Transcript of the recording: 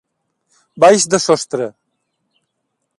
Baix de sostre.